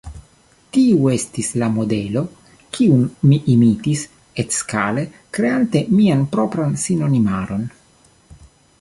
Tiu estis la modelo, kiun mi imitis etskale kreante mian propran sinonimaron.